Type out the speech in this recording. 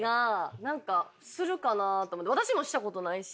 私もしたことないし。